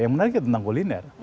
yang menarik tentang kuliner